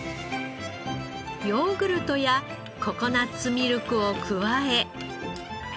ヨーグルトやココナッツミルクを加え。